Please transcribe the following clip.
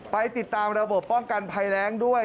ไปติดตามระบบป้องกันภัยแรงด้วย